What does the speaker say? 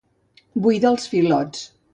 Buidar els filots.